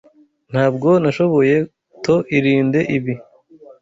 Ntabwo nashoboye to irinde ibi.